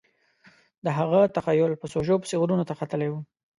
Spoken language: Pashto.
د هغه تخیل په سوژو پسې غرونو ته ختلی و